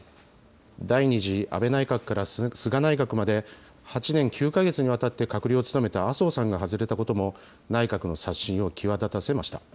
第２次安倍内閣から菅内閣まで、８年９か月にわたって、閣僚を務めた麻生さんが外れたことも、内閣の刷新を際立たせました。